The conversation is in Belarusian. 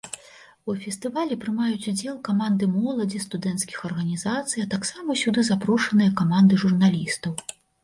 У фестывалі прымаюць удзел каманды моладзі, студэнцкіх арганізацый, а таксама сюды запрошаныя каманды журналістаў.